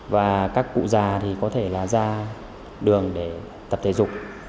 và các cụ già thì có thể là ra đường để tập thể dục